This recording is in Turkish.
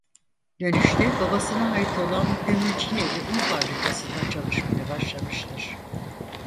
Dönüşte babasına ait olan Gümülcineli Un Fabrikası'nda çalışmaya başlamıştır.